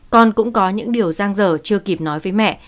con cũng có những điều giang dở chưa kịp nói với mẹ